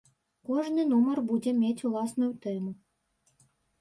Кожны нумар будзе мець уласную тэму.